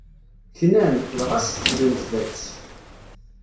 Knan, dɣa seǧǧden zdat-s.